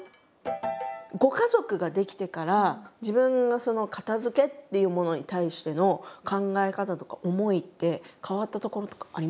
ご家族が出来てから自分が片づけっていうものに対しての考え方とか思いって変わったところとかありますか？